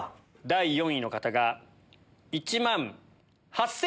第４位の方が１万８９００円。